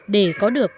để có được